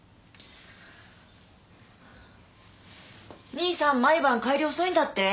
兄さん毎晩帰り遅いんだって？